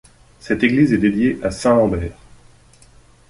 Cette église est dédié à Saint Lambert.